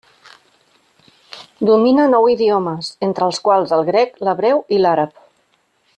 Domina nou idiomes, entre els quals el grec, l'hebreu i l'àrab.